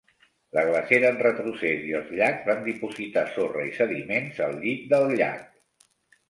La glacera en retrocés i els llacs van dipositar sorra i sediments al llit del llac.